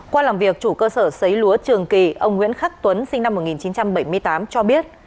qua làm việc chủ cơ sở xấy lúa trường kỳ ông nguyễn khắc tuấn sinh năm một nghìn chín trăm bảy mươi tám cho biết